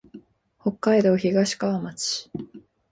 北海道東川町